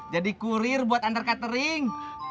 jadi kurir buat under catering